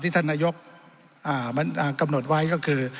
ที่ท่านนายกกำหนดไว้ก็คือ